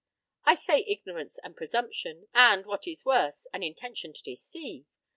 I say ignorance and presumption, and what is worse, an intention to deceive.